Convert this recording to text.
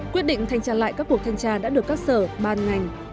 quyết định thanh tra lại các cuộc thanh tra đã được các sở ban ngành